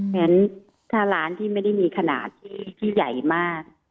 งั้นถ้าร้านที่ไม่ได้มีขนาดที่ใหญ่มาก